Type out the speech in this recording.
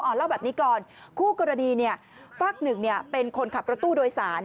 เล่าแบบนี้ก่อนคู่กรณีฝากหนึ่งเป็นคนขับรถตู้โดยสาร